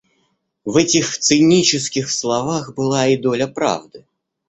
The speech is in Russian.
В этих цинических словах была и доля правды.